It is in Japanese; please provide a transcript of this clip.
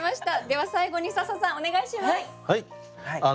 では最後に笹さんお願いします。